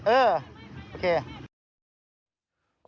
เออโอเค